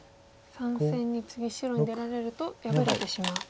３線に次白に出られると破れてしまうと。